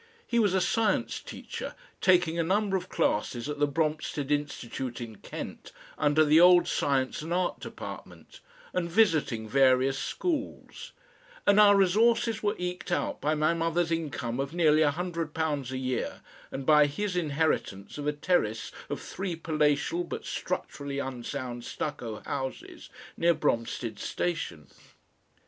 He was a science teacher, taking a number of classes at the Bromstead Institute in Kent under the old Science and Art Department, and "visiting" various schools; and our resources were eked out by my mother's income of nearly a hundred pounds a year, and by his inheritance of a terrace of three palatial but structurally unsound stucco houses near Bromstead Station.